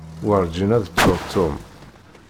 Werǧin ad ttuɣ Tom.